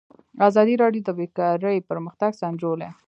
ازادي راډیو د بیکاري پرمختګ سنجولی.